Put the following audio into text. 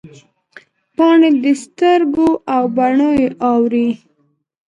پاڼې د سترګو او باڼه یې اوري